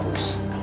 tuhan sudah sadar